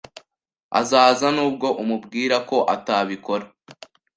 Azaza nubwo umubwira ko atabikora.